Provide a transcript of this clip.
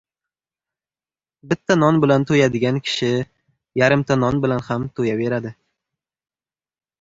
• Bitta non bilan to‘yadigan kishi yarimta non bilan ham to‘yaveradi.